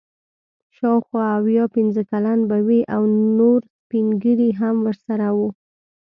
شاوخوا اویا پنځه کلن به وي او نور سپین ږیري هم ورسره وو.